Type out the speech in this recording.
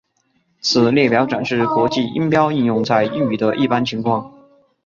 此列表展示国际音标应用在英语的一般情况。